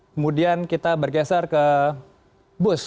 kemudian kita bergeser ke bus